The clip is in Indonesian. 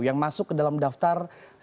yang masuk ke dalam daftar